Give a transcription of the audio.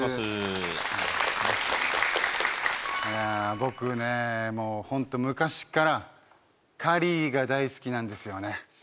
僕ねもうホント昔からカリーが大好きなんですよね